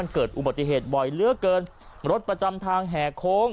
เกิดอุบัติเหตุบ่อยเหลือเกินรถประจำทางแห่โค้ง